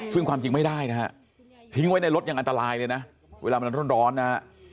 ซึ่งความจริงไม่ได้นะฮะทิ้งไว้ในรถยังอันตรายเลยนะเวลามันร้อนนะฮะ